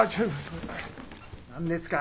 何ですか？